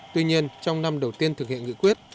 tuy nhiên trong năm đầu tiên thực hiện nghị quyết